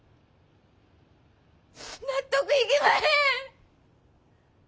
納得いきまへん！